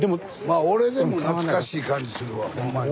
俺でも懐かしい感じするわほんまに。